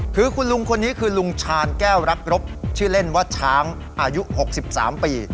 คือคุณลุงคนนี้คือลุงชาญแก้วรักรบชื่อเล่นว่าช้างอายุ๖๓ปี